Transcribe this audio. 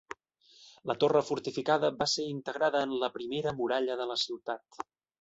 La torre fortificada va ser integrada en la primera muralla de la ciutat.